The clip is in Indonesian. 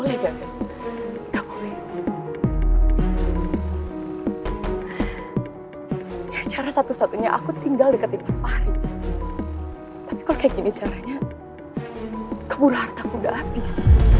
keburu hartaku sudah habis